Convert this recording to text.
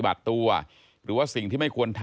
แล้วก็โบราณสถาน